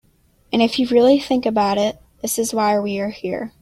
And if you really think about it, this is why we are here.